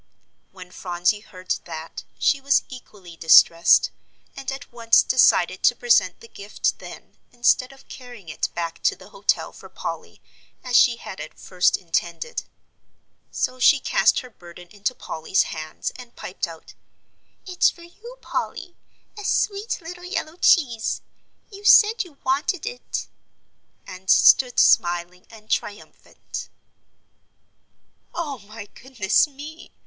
When Phronsie heard that, she was equally distressed, and at once decided to present the gift then instead of carrying it back to the hotel for Polly as she had at first intended. So she cast her burden into Polly's hands and piped out, "It's for you, Polly, a sweet little yellow cheese; you said you wanted it," and stood smiling and triumphant. "Oh, my goodness me!"